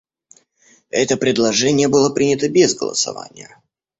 Это предложение было принято без голосования.